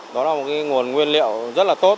đó là một nguồn nguyên liệu rất là tốt